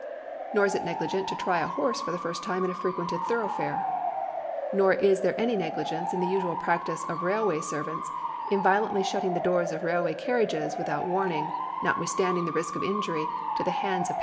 Nor is it negligent to try a horse f(U' the first time in a frequented thoroughfare. Nor is there any negligence in the usual practice of railway servants in violently shutting the doors of railway carriages without warning,^ notwithstanding the risk of injury to the hands of passengers."